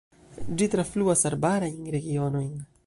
Ĝi trafluas arbarajn regionojn.